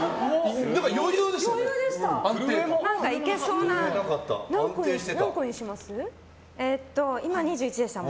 余裕でしたね。